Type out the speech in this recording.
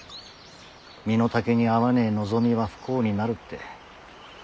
身の丈に合わねえ望みは不幸になるって。